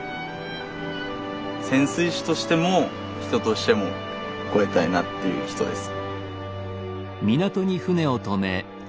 潜水士としても人としても超えたいなっていう人です。